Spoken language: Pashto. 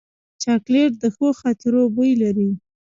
چاکلېټ د ښو خاطرو بوی لري.